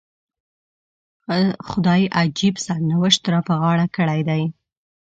خدای عجیب سرنوشت را په غاړه کړی دی.